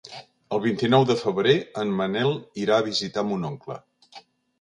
El vint-i-nou de febrer en Manel irà a visitar mon oncle.